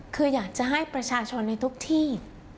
คืออยากจะให้ประชาชนในทุกที่